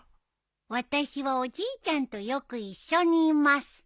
私はおじいちゃんとよく一緒にいます。